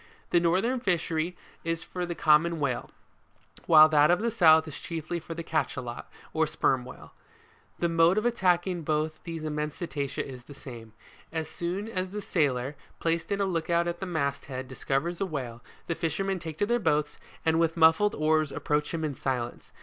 The northern fishery is for the common whale, while that ot the south is chiefly for the Cachalot, ( P/iyseter Macrocepkalus) or Sperm whale. The mode of attacking both these immense cetacea, is the same. As soon as the sailor, placed in a lookout at the mast 134 WHALE FISHING. head, discovers a whale, the fishermen take to their boats, and with muffled oars approach him in silence.